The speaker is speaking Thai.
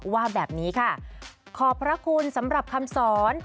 ว่าแบบนี้ค่ะขอบพระคุณสำหรับคำสอน